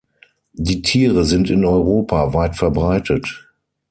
Die Tiere sind in Europa weit verbreitet.